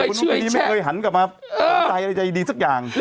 ไว้ที่ดีไม่เคยหันกลับมาถูกใจอะไรใดดีสักอย่าง